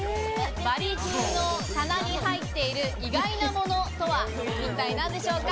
バリ風の棚に入っている意外なものとは一体何でしょうか？